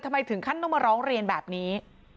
ทำไมถึงขั้นต้องมาร้องเรียนแบบนี้